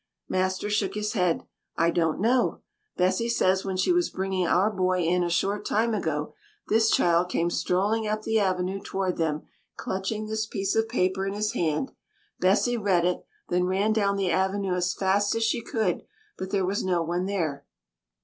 Master shook his head. "I don't know. Bessie says when she was bringing our boy in a short time ago, this child came strolling up the avenue toward them, clutching this piece of paper in his hand. Bessie read it, then ran down the avenue as fast as she could, but there was no one there."